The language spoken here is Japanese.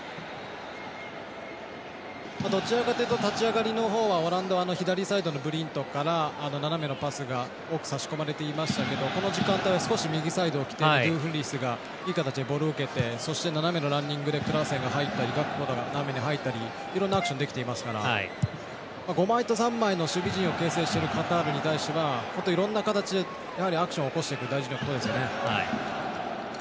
どちらかというと立ち上がりのほうはオランダは左サイドのブリントから斜めのパスが多く差し込まれていましたけどこの時間帯は少し右サイドを起点にドゥンフリースがいい形でボールを受けてそして、斜めのランニングでクラーセンが入ったりガクポが斜めに入ったりいろんなアクションができていますから５枚と３枚の守備陣を形成しているカタールに対しては本当いろんな形でアクションを起こしていくのが大事なことですよね。